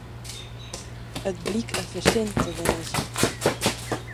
It bliek in fersin te wêzen.